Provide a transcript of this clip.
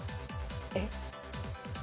えっ？